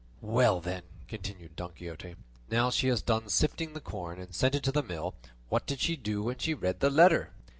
"Well then," continued Don Quixote, "now she has done sifting the corn and sent it to the mill; what did she do when she read the letter?"